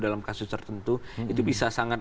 dalam kasus tertentu itu bisa sangat